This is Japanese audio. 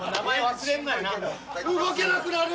動けなくなる。